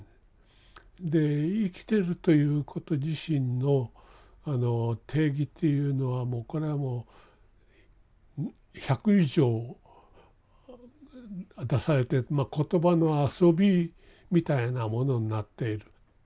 で生きてるということ自身の定義っていうのはこれはもう１００以上出されて言葉の遊びみたいなものになっている。